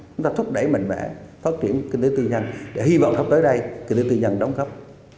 chúng ta thúc đẩy mạnh mẽ phát triển kinh tế tư nhân để hy vọng sắp tới đây kinh tế tư nhân đóng góp